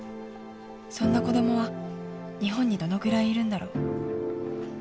［そんな子供は日本にどのぐらいいるんだろう］